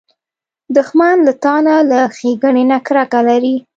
دښمن له تا نه، له ښېګڼې نه کرکه لري